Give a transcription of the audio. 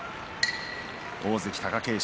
大関貴景勝